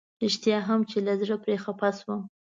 رښتيا هم چې له زړه پرې خفه شوم.